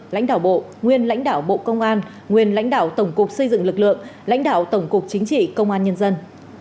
lãnh đạo bộ nguyên lãnh đạo bộ công an nguyên lãnh đạo tổng cục xây dựng lực lượng lãnh đạo tổng cục chính trị công an nhân dân